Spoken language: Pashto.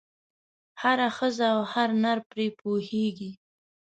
هره ښځه او هر نر پرې پوهېږي.